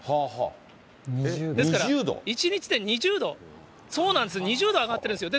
２０度？ですから１日で２０度、そうなんですよ、２０度上がってるんですよ。